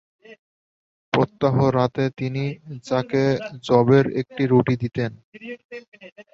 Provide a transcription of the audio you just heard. প্রত্যহ রাতে তিনি তাকে যবের একটি রুটি দিতেন।